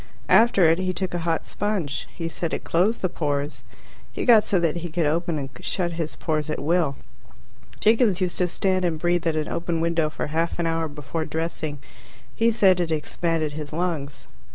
After it he took a hot sponge. He said it closed the pores. He got so that he could open and shut his pores at will. Jiggins used to stand and breathe at an open window for half an hour before dressing. He said it expanded his lungs.